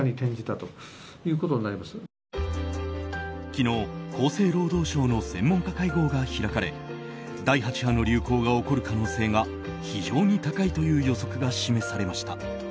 昨日、厚生労働省の専門家会合が開かれ第８波の流行が起こる可能性が非常に高いという予測が示されました。